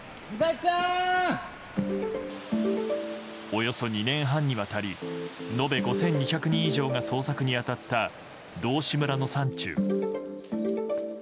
およそ２年半にわたり延べ５２００人以上が捜索に当たった道志村の山中。